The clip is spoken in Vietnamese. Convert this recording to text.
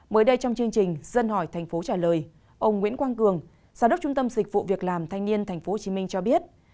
mới đây trong chương trình dân hỏi thành phố trả lời ông nguyễn quang cường giám đốc trung tâm dịch vụ việc làm thanh niên tp hcm cho biết